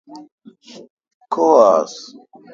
کو آس۔